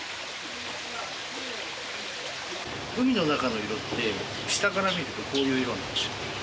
海の中の色って下から見るとこういう色なんですよ。